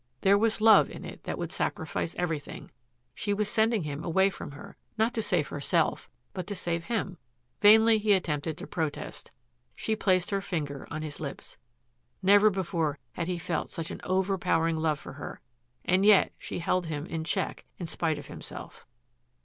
There was love in it that would sacrifice everything. She was sending him away from her, not to save herself but to save him. Vainly he attempted to protest. She placed her finger on his lips. Never before had he felt such over powering love for her. And yet she held him in check in spite of himself.